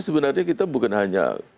sebenarnya kita bukan hanya